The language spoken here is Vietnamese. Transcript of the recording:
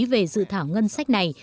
về dự thảo ngân sách này